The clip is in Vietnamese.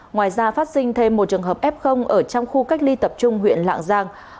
ngoài ra phát sinh thêm một trường hợp f ở trong khu cách ly tập trung huyện lạng giang